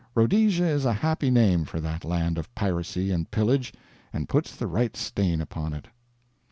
Rhodesia is a happy name for that land of piracy and pillage, and puts the right stain upon it.